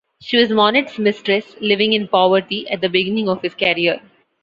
She was Monet's mistress, living in poverty at the beginning of his career.